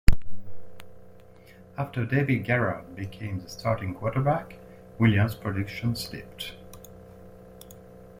After David Garrard became the starting quarterback, Williams' production slipped.